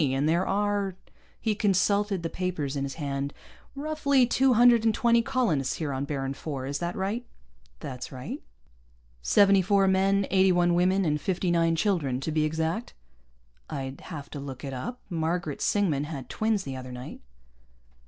And there are " he consulted the papers in his hand "roughly two hundred and twenty colonists here on Baron IV. Is that right?" "That's right." "Seventy four men, eighty one women, and fifty nine children, to be exact?" "I'd have to look it up. Margaret Singman had twins the other night."